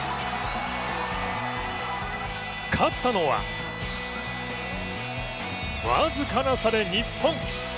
勝ったのは僅かな差で日本。